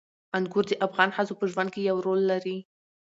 انګور د افغان ښځو په ژوند کې یو رول لري.